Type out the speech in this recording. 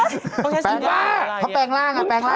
เขาใช้สัญญาณอะไรอย่างนี้แปลงปลาเขาแปลงร่างค่ะแปลงปลา